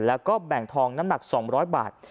แล้วก็แบ่งทองน้ำหนัก๒๐๐บาท